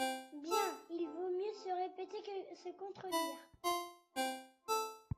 Bien ! Il vaut mieux se répéter que se contredire.